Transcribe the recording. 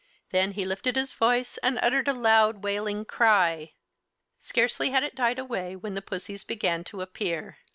He then lifted his voice and uttered a loud, wailing cry. Scarcely had it died away when the pussys began to appear.